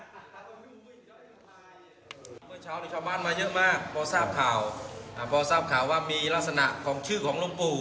เมื่อเช้านี้ชาวบ้านมาเยอะมากพอทราบข่าวพอทราบข่าวว่ามีลักษณะของชื่อของหลวงปู่